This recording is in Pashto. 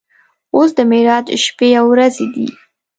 اوس د معراج شپې او ورځې دي.